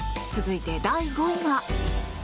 続いて、第５位は。